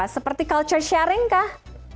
seperti culture sharing kah